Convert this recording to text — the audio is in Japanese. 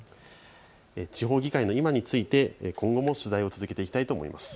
地方議会の今について今後も取材を続けていきたいと思います。